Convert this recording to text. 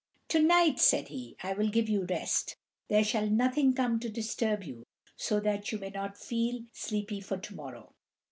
"To night," said he, "I will give you rest; there shall nothing come to disturb you, so that you may not feel sleepy for to morrow.